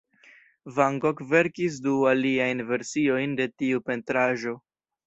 Van Gogh verkis du aliajn versiojn de tiu pentraĵo.